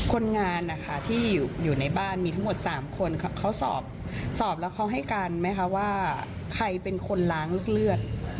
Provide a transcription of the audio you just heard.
คนงานนะคะที่อยู่ในบ้านมีทั้งหมด๓คนเขาสอบแล้วเขาให้การไหมคะว่าใครเป็นคนล้างเลือด